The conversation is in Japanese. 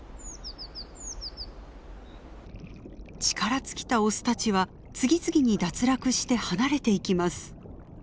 力尽きたオスたちは次々に脱落して離れていきます。